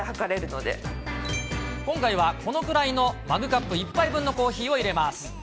今回はこのくらいのマグカップ１杯分のコーヒーをいれます。